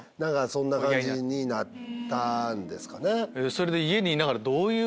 そんな感じになったんですかね。